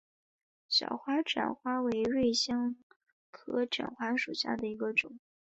小花荛花为瑞香科荛花属下的一个种。